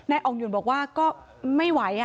อ่องหยุ่นบอกว่าก็ไม่ไหว